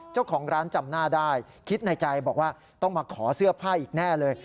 จำหน้าได้คิดในใจบอกว่าต้องมาขอเสื้อผ้าอีกแน่เลย